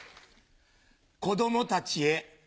子供たちへ。